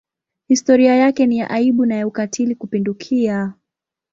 Historia yake ni ya aibu na ya ukatili kupindukia.